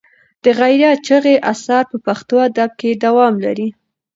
د غیرت چغې اثر په پښتو ادب کې دوام لري.